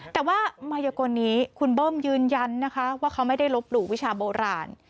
แต่ว่ามายกลนี้คุณเบิ้มยืนยันนะคะว่าเขาไม่ได้ลบหลู่วิชาโบราณ